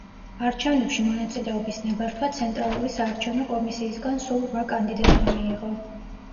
არჩევნებში მონაწილეობის ნებართვა ცენტრალური საარჩევნო კომისიისგან სულ რვა კანდიდატმა მიიღო.